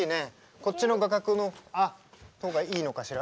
こっちの画角の方がいいのかしら。